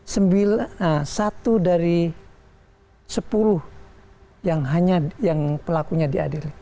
satu dari sepuluh yang pelakunya diadili